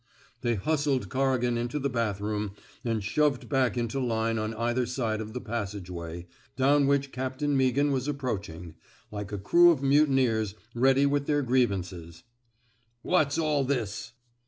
" They hustled Corrigan into the bathroom and shoved back into line on either side of the passageway — down which Captain Meaghan was approaching — like a crew of mutineers ready with their griev anceSi, ^^ What's all this?